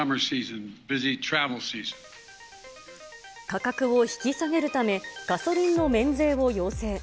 価格を引き下げるため、ガソリンの免税を要請。